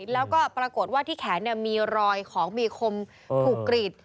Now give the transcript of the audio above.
แล้วก็ปรากฏว่าที่แขนมีรอยของมีคมถูกกรีด